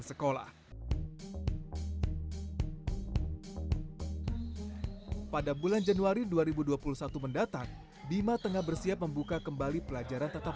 sekolah pada bulan januari dua ribu dua puluh satu mendatang bima tengah bersiap membuka kembali pelajaran tetap